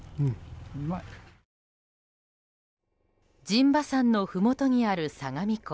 陣馬山のふもとにある相模湖。